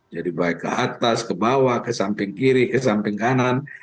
jadi baik ke atas ke bawah ke samping kiri ke samping kanan